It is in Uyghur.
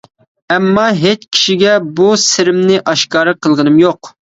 ئەمما، ھېچ كىشىگە بۇ سىرىمنى ئاشكارا قىلغىنىم يوق.